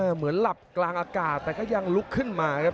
เหมือนหลับกลางอากาศแต่ก็ยังลุกขึ้นมาครับ